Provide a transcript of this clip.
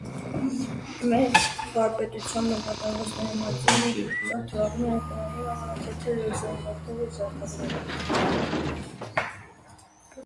Մեծ վարպետությամբ են կատարված նաև մատյանի զարդանկարները՝ խորաններ, անվանաթերթեր, լուսանցազարդեր, զարդագրեր։